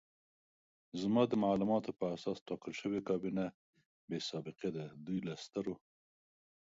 زما د معلوماتو په اساس ټاکل شوې کابینه بې سابقې ده، دوی له سترو